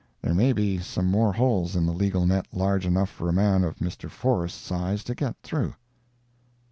There may be some more holes in the legal net large enough for a man of Mr. Forrest's size to get through.